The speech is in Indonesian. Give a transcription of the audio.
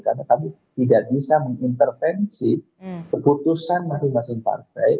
karena kami tidak bisa mengintervensi keputusan masing masing partai